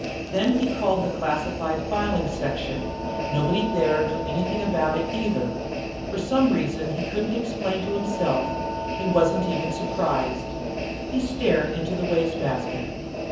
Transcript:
Then he called the classified filing section; nobody there knew anything about it either. For some reason he couldn't explain to himself, he wasn't even surprised. He stared into the wastebasket.